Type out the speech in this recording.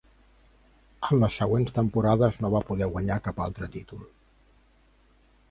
En les següents temporades no va poder guanyar cap altre títol.